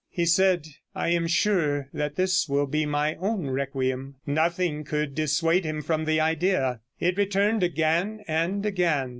He said: "I am sure that this will be my own requiem." Nothing could dissuade him from the idea. It returned again and again.